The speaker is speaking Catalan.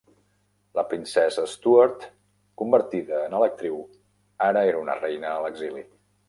La princesa Stuart, convertida en electriu, ara era una reina a l'exili.